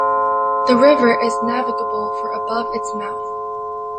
The river is navigable for above its mouth.